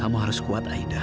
kamu harus kuat aida